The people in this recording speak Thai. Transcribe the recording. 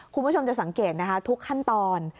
คุณผู้ชมจะสังเกตนะคะทุกขั้นตอน